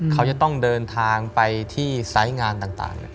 เขาจะต้องเดินทางไปที่ไซส์งานต่าง